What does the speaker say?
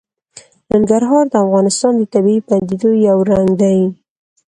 ننګرهار د افغانستان د طبیعي پدیدو یو رنګ دی.